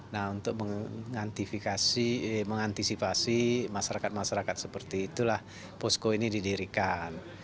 nah untuk mengantisipasi masyarakat masyarakat seperti itulah posko ini didirikan